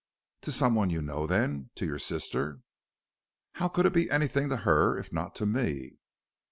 "To some one you know, then, to your sister?" "How could it be anything to her, if not to me?"